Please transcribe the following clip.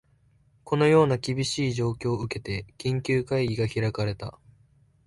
このような厳しい状況を受けて、緊急会議が開かれた